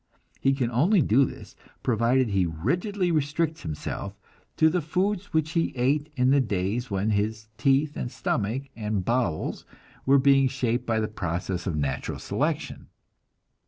He can only do this, provided he rigidly restricts himself to the foods which he ate in the days when his teeth and stomach and bowels were being shaped by the process of natural selection.